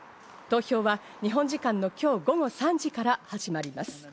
投票は日本時間の今日午後３時から始まります。